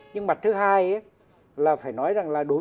nhưng mặt thứ hai là phải nói rằng là đối với các nỗ lực